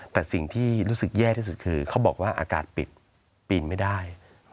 แต่สิ่งที่รู้สึกแย่ที่สุดคือเขาบอกว่าอากาศปิดปีนไม่ได้